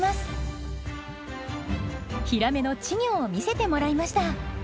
ヒラメの稚魚を見せてもらいました。